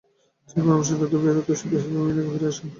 তিনি তার পরামর্শদাতা বেয়ারের উত্তরসূরি হিসেবে মিউনিখে ফিরে আসেন।